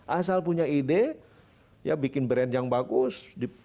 asal punya ide ya bikin brand yang bagus